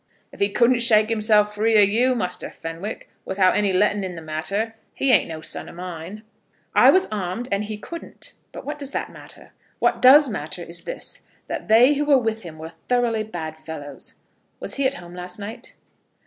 "If he couldn't shake himself free o' you, Muster Fenwick, without any letting in the matter, he ain't no son of mine." "I was armed, and he couldn't. But what does that matter? What does matter is this; that they who were with him were thoroughly bad fellows. Was he at home last night?"